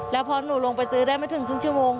แล้วพอหนูลงไปซื้อได้ไม่ถึงครึ่งชั่วโมง